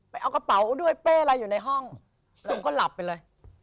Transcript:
เอากระเป๋าด้วยเป้อะไรอยู่ในห้องผมก็หลับไปเลย